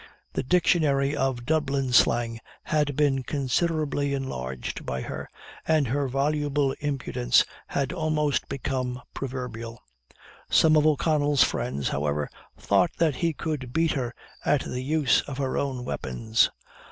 The dictionary of Dublin slang had been considerably enlarged by her, and her voluble impudence had almost become proverbial. Some of O'Connell's friends, however, thought that he could beat her at the use of her own weapons.